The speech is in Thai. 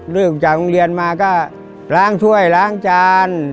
เริ่มจากโรงเรียนมาก็ล้างถ้วยล้างจาน